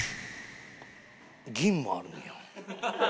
銀もあるんや。